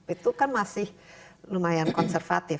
itu kan masih lumayan konservatif